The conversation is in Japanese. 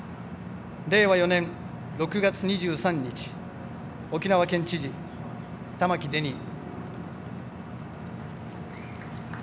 令和４年６月２３日沖縄県知事、玉城デニー。